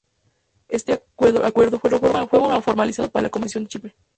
Este acuerdo fue formalizado como la Convención de Chipre.